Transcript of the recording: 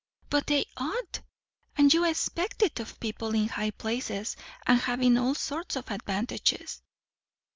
"But they ought. And you expect it of people in high places, and having all sorts of advantages."